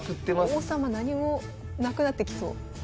王様何もなくなってきそう。